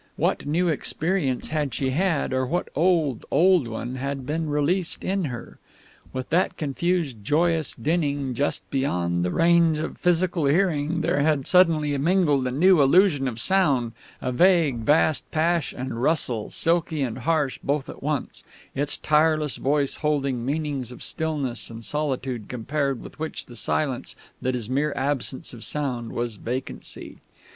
What new experience had she had, or what old, old one had been released in her? With that confused, joyous dinning just beyond the range of physical hearing there had suddenly mingled a new illusion of sound a vague, vast pash and rustle, silky and harsh both at once, its tireless voice holding meanings of stillness and solitude compared with which the silence that is mere absence of sound was vacancy.